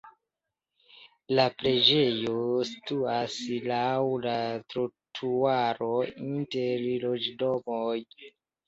La preĝejo situas laŭ la trotuaro inter loĝdomoj.